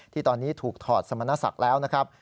ที่ตอนนี้ถูกถอดสมณศักดิ์แล้วนะครับ